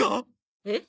えっ？